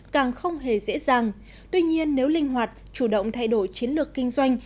càng không hề dễ dàng tuy nhiên nếu linh hoạt chủ động thay đổi chiến lược kinh doanh